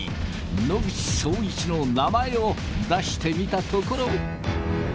野口聡一の名前を出してみたところ。